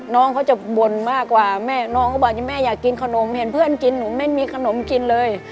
น้องเขาจะบ่นมากกว่าแม่น้องเขาบอกแม่อยากกินขนมเห็นเพื่อนกินหนูไม่มีขนมกินเลย